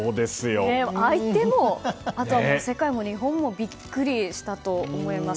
相手も、あとは世界も日本もビックリしたと思います。